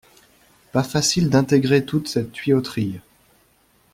Pas facile d'intégrer toute cette tuyauterie.